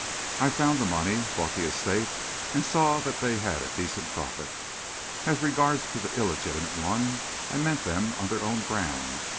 I found the money, bought the estate, and saw that they had a decent profit. As regards the illegitimate one, I met them on their own ground.